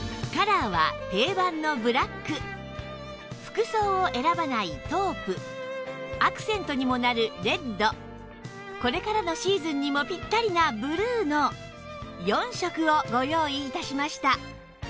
カラーは定番のブラック服装を選ばないトープアクセントにもなるレッドこれからのシーズンにもピッタリなブルーの４色をご用意致しました